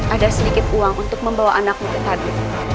ada sedikit uang untuk membawa anakmu ke tadil